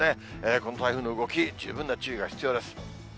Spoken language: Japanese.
この台風の動き、十分な注意が必要です。